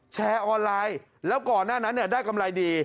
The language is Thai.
แชร์ออนไลน์แล้วก่อนหน้านั้นได้กำไรดี